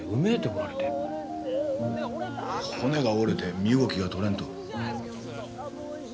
骨が折れて身動きがとれんと。